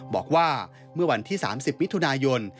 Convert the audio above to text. บอกว่าเมื่อวันที่๓๐มิถุนายน